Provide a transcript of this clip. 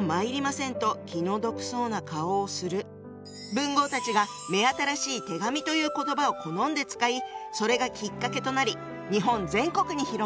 文豪たちが目新しい「手紙」という言葉を好んで使いそれがきっかけとなり日本全国に広まったってわけ！